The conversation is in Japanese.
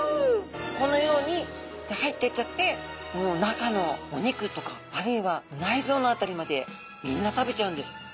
このように入っていっちゃってもう中のお肉とかあるいは内臓の辺りまでみんな食べちゃうんです。